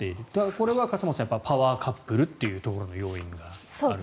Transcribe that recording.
これは笠松さんパワーカップルというところの要因があると。